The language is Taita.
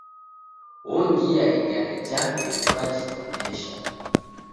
Ongia igare jape ukajitong'esha.